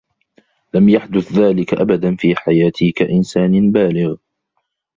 لم يحدث ذلك أبدا في حياتي كإنسان بالغ.